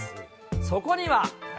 そこには。